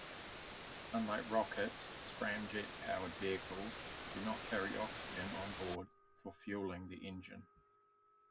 Unlike rockets, scramjet-powered vehicles do not carry oxygen on board for fueling the engine.